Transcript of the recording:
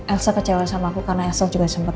elsa kecewa sama aku karena elsa juga sempat